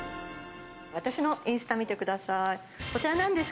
私のインスタを見てください。